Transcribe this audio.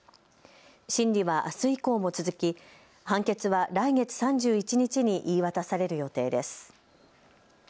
審理はあす以降も続き判決は来月３１日に言い渡される予定です。